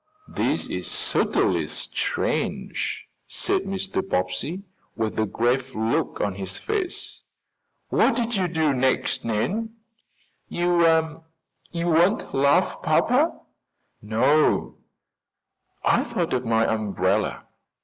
"This is certainly strange," said Mr. Bobbsey, with a grave look on his face. "What did you do next, Nan?" "You you won't laugh, papa?" "No." "I thought of my umbrella.